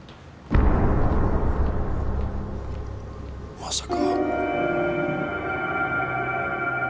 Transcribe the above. まさか。